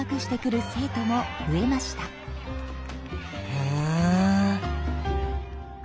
へえ。